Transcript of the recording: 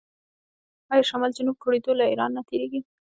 آیا شمال جنوب کوریډور له ایران نه تیریږي؟